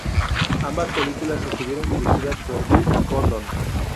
Ambas películas estuvieron dirigidas por Bill Condon.